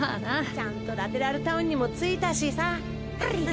ちゃんとラテラルタウンにも着いたしさ。